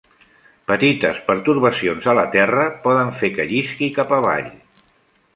Petites pertorbacions a la terra poden fer que llisqui cap avall.